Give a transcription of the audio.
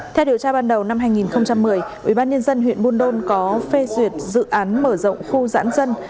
theo điều tra ban đầu năm hai nghìn một mươi ubnd huyện buôn đôn có phê duyệt dự án mở rộng khu giãn dân